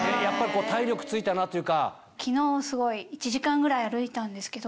体力ついたなというか。